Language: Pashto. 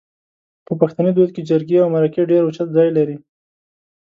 په پښتني دود کې جرګې او مرکې ډېر اوچت ځای لري